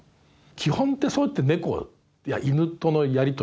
基本ってそうやって猫や犬とのやり取りと同じなんですよ。